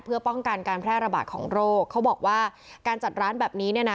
เพื่อป้องกันการแพร่ระบาดของโรคเขาบอกว่าการจัดร้านแบบนี้เนี่ยนะ